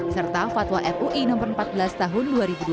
serta fatwa mui no empat belas tahun dua ribu dua puluh